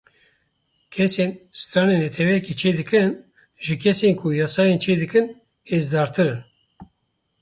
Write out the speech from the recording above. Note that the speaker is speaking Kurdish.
Kesên stranên netewekê çêdikin, ji kesên ku yasayan çêdikin hêzdartir in.